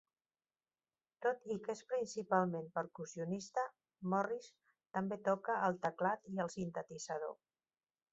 Tot i que és principalment percussionista, Morris també toca el teclat i el sintetitzador.